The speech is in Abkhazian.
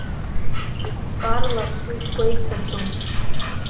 Карлос уи дгәеиҭаӡом.